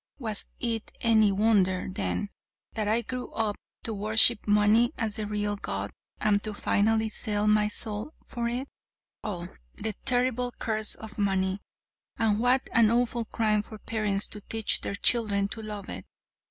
Was it any wonder, then, that I grew up to worship money as the real god, and to finally sell my soul for it? Oh, the terrible curse of money! And what an awful crime for parents to teach their children to love it!